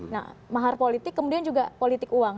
nah mahar politik kemudian juga politik uang